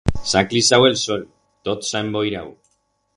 S'ha aclisau el sol, tot s'ha emboirau.